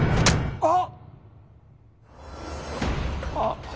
あっ！